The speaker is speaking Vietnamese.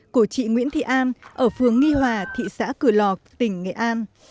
của chị nguyễn thị am ở phường nghi hòa thị xã cửa lò tỉnh nghệ an